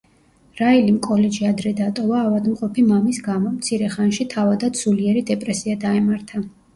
რაილიმ კოლეჯი ადრე დატოვა ავადმყოფი მამის გამო; მცირე ხანში თავადაც სულიერი დეპრესია დაემართა.